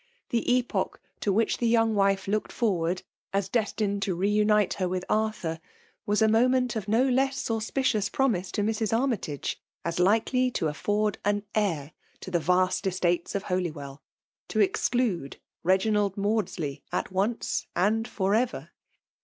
That epoch to which the 288 FBMALB DOMINATION. young wife looked forward as destined to unite her with Arthur, was a moment of no less aiospicioiis promise to Mrs. Armytage^ as lilcely to afford an heir to the rast estates of Holywell — to exclude Reginald Maudsley at once and for ever!